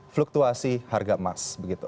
fluktuasi harga emas